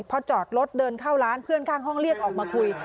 พอจอดรถเดินเข้าร้านเพื่อนข้างห้องเรียกออกมาคุย